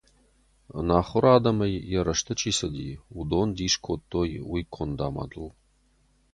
Ӕнахуыр адӕмӕй йӕ рӕзты чи цыди, уыдон дис кодтой уый конд-амадыл.